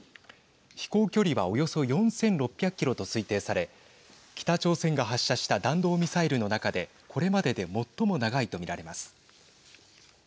飛行距離はおよそ４６００キロと推定され北朝鮮が発射した弾道ミサイルの中でこれまでで最も長いと見られます。